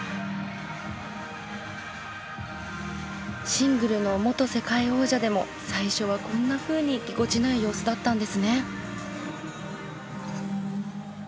シングルの元世界王者でも最初はこんなふうにぎこちない様子だったんですね。